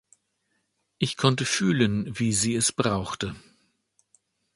Ich konnte fühlen, wie sie es brauchte.